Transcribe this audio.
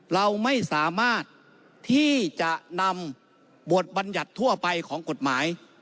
เราไม่สามารถที่จะนำบทบัญญัติทั่วไปของกฎหมาย